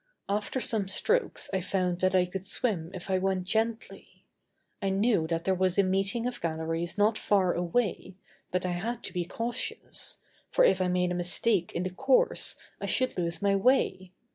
After some strokes I found that I could swim if I went gently. I knew that there was a meeting of galleries not far away, but I had to be cautious, for if I made a mistake in the course I should lose my way.